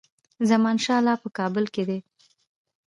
زمانشاه لا په کابل کې دی.